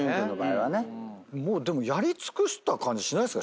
でもやり尽くした感じしないっすか？